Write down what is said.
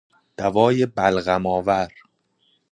دوای بلغم آور